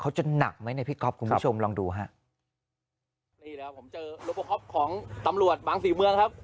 เขาจะหนักไหมนะพี่กอฟคุณผู้ชมลองดูฮะผมเจอของตำรวจบางศรีเมืองครับ